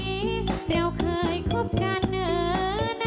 น้ำตาตกโคให้มีโชคเมียรสิเราเคยคบกันเหอะน้ำตาตกโคให้มีโชค